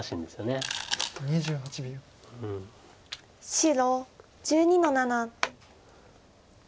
白１２の七。